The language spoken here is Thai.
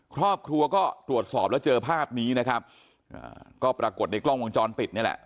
ครอบครัวก็ตรวจสอบแล้วเจอภาพนี้นะครับอ่าก็ปรากฏในกล้องวงจรปิดนี่แหละ